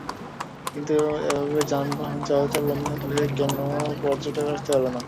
কিন্তু এভাবে যানবাহন চলাচল বন্ধ থাকলে কোনো পর্যটক আসতে পারবে না।